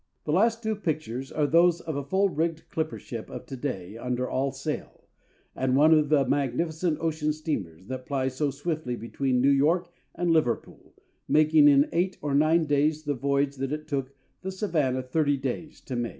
The last two pictures are those of a full rigged clipper ship of to day under all sail, and one of the magnificent ocean steamers that ply so swiftly between New York and Liverpool, making in eight or nine days the voyage that it took the Savannah thirty days to make.